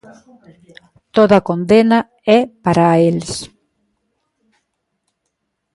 Toda a condena é para a eles.